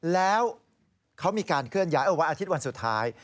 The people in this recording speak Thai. แล้วเขามีการเคลื่อนย้ายเอาไว้อาทิตย์วันสุดท้าย